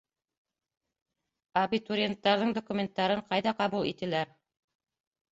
Абитуриенттарҙың документтарын ҡайҙа ҡабул ителәр?